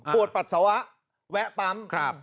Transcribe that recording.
ปวดปัสสาวะแวะปั๊ม